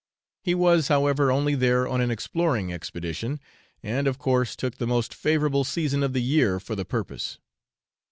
He was, however, only there on an exploring expedition, and, of course, took the most favourable season of the year for the purpose.